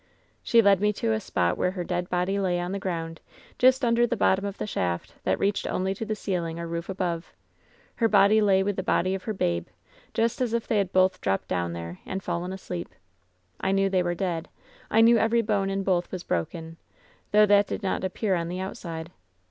"She led me to a spot where her dead body lay on the ground, just under the bottom of the shaft, that reached only to the ceiling or roof above. Her body lay with the body of her babe, just as if they both had dropped down there and fallen asleep. I knew they were dead. I knew every bone in both was broken, though that did not appear on the outside.